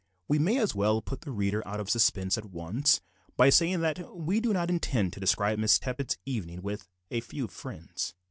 We may as well put the reader out of suspense at once by saying that we do not intend to describe Miss Tippet's evening with "a few friends."